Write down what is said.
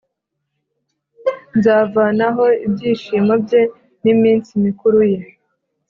Nzavanaho ibyishimo bye n’iminsi mikuru ye,